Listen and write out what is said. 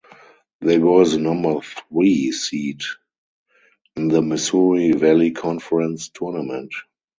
They were the number three seed in the Missouri Valley Conference Tournament.